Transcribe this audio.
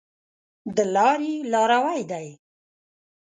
د لاري لاروی دی .